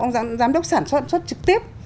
ông giám đốc sản xuất trực tiếp